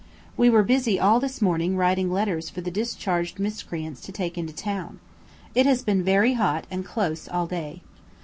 We were busy all this morning writing letters for the discharged miscreants to take into town. It has been very hot and close all day.